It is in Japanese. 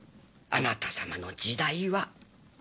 あなた様の時代は。